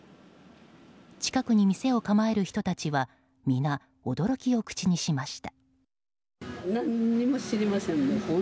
近くに店を構える人たちは皆、驚きを口にしました。